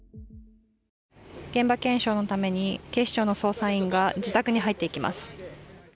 現場検証のために警視庁の捜査員が自宅に入っていきます。